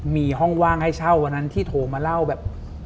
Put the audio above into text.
มีห้องว่างให้เช่าวันนั้นที่โทรมาเล่าแบบ